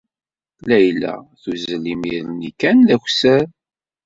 Layla tuzzel imir-nni kan d akessar.